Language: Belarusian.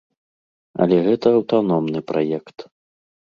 Але гэта аўтаномны праект.